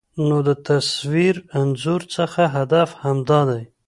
نو د تصوير انځور څخه هدف همدا دى